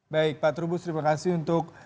baik pak trubus terima kasih untuk